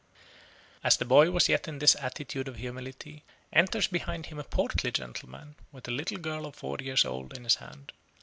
As the boy was yet in this attitude of humility, enters behind him a portly gentleman, with a little girl of four years old in his hand.